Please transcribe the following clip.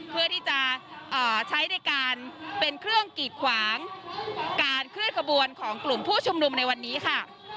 เพื่อที่จะใช้ในการเป็นเครื่องกีดขวางการเคลื่อนขบวนของกลุ่มผู้ชุมนุมในวันนี้ค่ะ